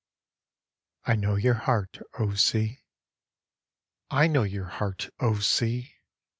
I KNOW YOUR HEART, O SEA! I know your heart, O Sea!